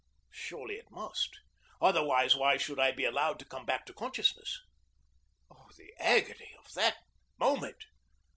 Surely it must; otherwise, why should I be allowed to come back to consciousness? Oh, the agony of that moment!